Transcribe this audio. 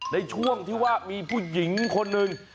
ในช่วงที่ว่ามีผู้หญิงคนหนึ่ง